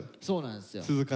そうなんですよ。